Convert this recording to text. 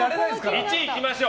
１位いきましょう。